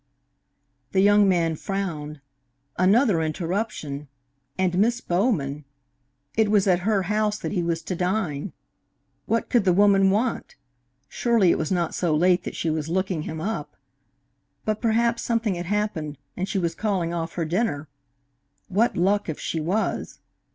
The young man frowned. Another interruption! And Miss Bowman! It was at her house that he was to dine. What could the woman want? Surely it was not so late that she was looking him up. But perhaps something had happened, and she was calling off her dinner. What luck if she was!